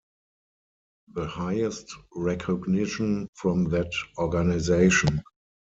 The highest recognition from that organization.